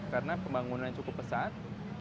karena pembangunan yang cukup besar